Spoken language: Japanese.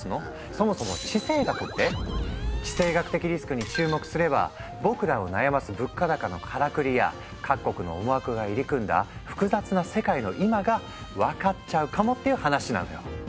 そもそも「地政学」って⁉「地政学的リスク」に注目すれば僕らを悩ます物価高のカラクリや各国の思惑が入り組んだ複雑な世界の今が分かっちゃうかもっていう話なのよ。